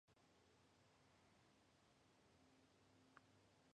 გვანაფა შელოცათ ვეჸუაფუ გასუქება შელოცვით არ იქნებაო